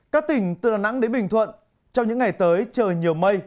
các tỉnh từ đà nẵng đến bình thuận trong những ngày tới trời nhiều mây